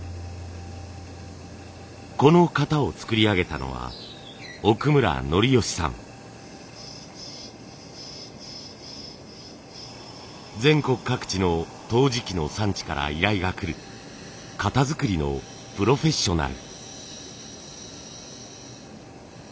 この型を作り上げたのは全国各地の陶磁器の産地から依頼がくる型づくりのプロフェッショナル。